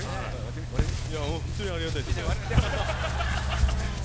本当にありがたいです。